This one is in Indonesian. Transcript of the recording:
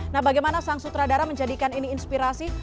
nah bagaimana sang sutradara menjadikan ini inspirasi